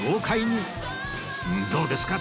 どうですか？